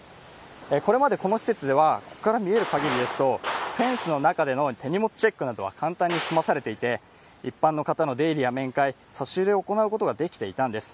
これまでこの施設では、ここから見えるかぎりですと、フェンスの中での手荷物チェックなどは簡単に済まされていて一般の方との面会、差し入れを行うことができていたんです。